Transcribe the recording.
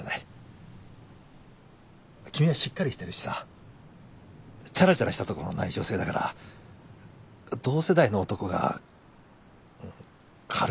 君はしっかりしてるしさちゃらちゃらしたとこのない女性だから同世代の男が軽く見えるんじゃないかな。